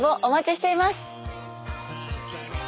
お待ちしています。